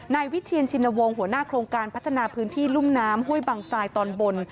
นายวิเชียนชินวงศ์หัวหน้าโครงการพัฒนาพื้นที่รุ่มน้ำห้วยบังทรายตอนบน